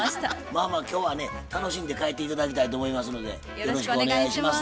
まあまあ今日はね楽しんで帰って頂きたいと思いますのでよろしくお願いします。